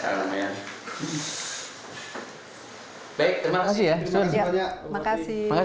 terima kasih mas